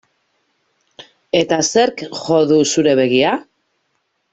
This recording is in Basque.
Eta zerk jo du zure begia?